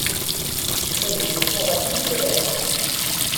Adlis-a ɣef yitran.